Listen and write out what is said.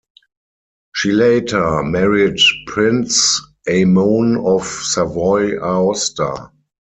She later married Prince Aimone of Savoy-Aosta.